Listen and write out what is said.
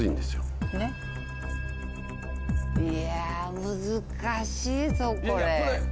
いや難しいぞこれ。